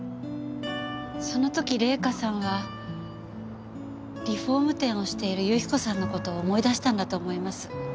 その時玲香さんはリフォーム店をしている由紀子さんの事を思い出したんだと思います。